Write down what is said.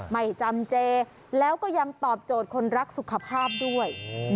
ไม่จำเจแล้วก็ยังตอบโจทย์คนรักสุขภาพด้วย